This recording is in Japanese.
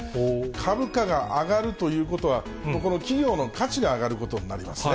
株価が上がるということは、企業の価値が上がることになりますね。